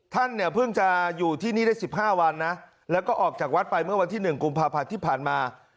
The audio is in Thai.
ท่านเนี่ยเพิ่งจะอยู่ที่นี่ได้๑๕วันนะแล้วก็ออกจากวัดไปเมื่อวันที่๑กุมภาพันธ์ที่ผ่านมา